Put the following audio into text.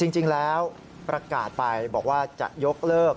จริงแล้วประกาศไปบอกว่าจะยกเลิก